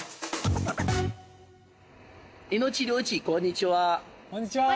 こんにちは！